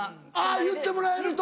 言ってもらえると。